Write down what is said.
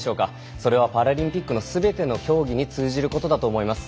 それはパラリンピックのすべての競技に通じることだと思います。